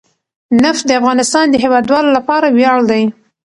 نفت د افغانستان د هیوادوالو لپاره ویاړ دی.